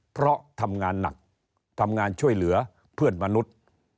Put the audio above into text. เพราะทำงานหนักทำงานช่วยเหลือเพื่อนมนุษย์